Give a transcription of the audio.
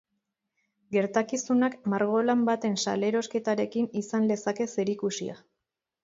Gertakizunak margolan baten salerosketarekin izan lezake zerikusia.